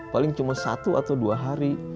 paling cuma satu atau dua hari